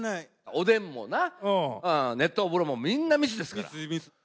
おでんもな、熱湯風呂もみんな密ですから。